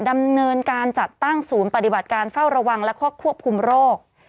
ดำเนินการจัดตั้งศูนย์ปฏิบัติการเฝ้าระวังและครอบควบคุมโรค